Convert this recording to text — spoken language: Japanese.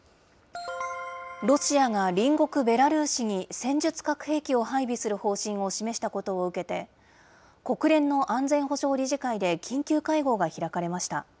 ロシアが隣国ベラルーシに戦術核兵器を配備する方針を示したことを受けて、国連の安全保障理事会で緊急会合が開かれました。